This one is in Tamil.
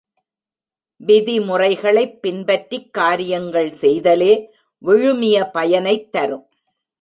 விதிமுறைகளைப் பின்பற்றிக் காரியங்கள் செய்தலே விழுமிய பயனைத்தரும்.